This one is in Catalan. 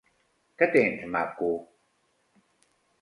Què tens, maco?